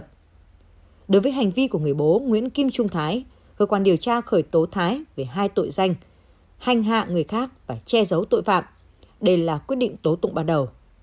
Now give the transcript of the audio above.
theo hành vi của người bố nguyễn kim trung thái hội quản điều tra khởi tố thái về hai tội danh hành hạ người khác và che giấu tội phạm đây là quyết định tố tụng bắt đầu